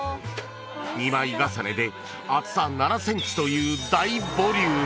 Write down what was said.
［２枚重ねで厚さ７ｃｍという大ボリューム］